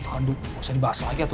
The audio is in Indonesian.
bukan dibahas lagi ya ibu